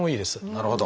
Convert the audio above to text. なるほど。